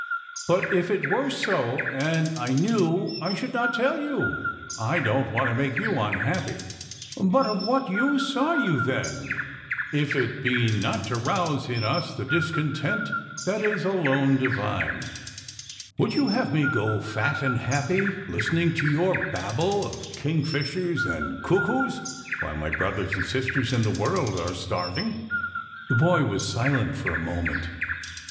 " But if it were so, and I knew, I should not tell you. I don't want to make you unhappy." "But of what use are you then, if it be not to rouse in us the discontent that is alone divine ? Would you have me go fat and happy, listening to your babble of kingfishers and cuckoos, while my brothers and sisters in the world are starving ?" The boy was silent for a moment.